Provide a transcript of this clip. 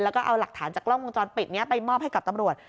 แล้วก็เอาหลักฐานจากกล้องวงจรปิดนี้ไปมอบให้กับตำรวจ